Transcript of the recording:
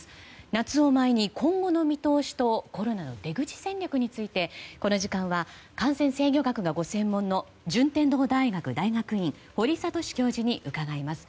夏を前に今後の見通しとコロナの出口戦略についてこの時間は感染制御学がご専門の順天堂大学大学院堀賢教授に伺います。